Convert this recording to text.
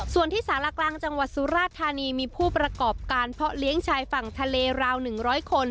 ส่วนที่สารกลางจังหวัดสุราธานีมีผู้ประกอบการเพาะเลี้ยงชายฝั่งทะเลราว๑๐๐คน